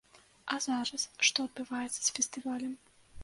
А зараз што адбываецца з фестывалем?